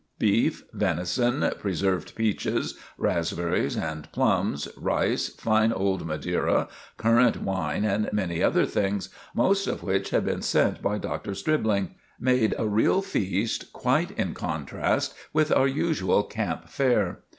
Beef, venison, preserved peaches, raspberries and plums, rice, fine old Madeira, currant wine and many other things, most of which had been sent by Dr. Stribling, made a real feast quite in contrast with our usual camp fare.